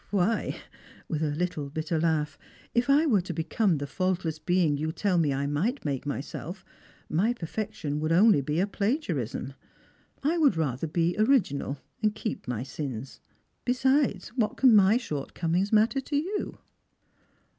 Why," with a little bitter laugh, "if I were to become the faultless being you tell me I might make myself, my perfection would only be a plagiarism. I would rather be original, and keep my sins. Besides, what can my shortcomings matter to you?"